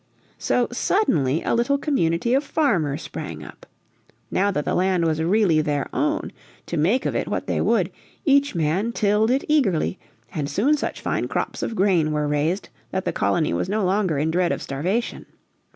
So, suddenly, a little community of farmers sprang up. Now that the land was really their own, to make of it what they would, each man tilled it eagerly, and soon such fine crops of grain were raised that the colony was no longer in dread of starvation.